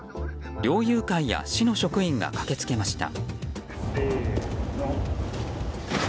猟友会や市の職員が駆けつけました。